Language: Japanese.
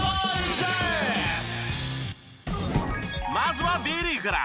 まずはＢリーグから。